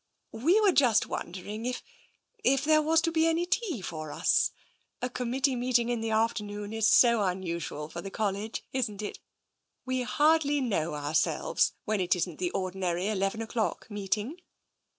" We were just wondering if — if there was to be any tea for us. A Committee meeting in the afternoon is so unusual for the College, isn't it? We hardly know ourselves, when it isn't the ordinary eleven o'clock meeting."